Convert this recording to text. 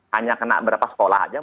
hanya kena berapa sekolah saja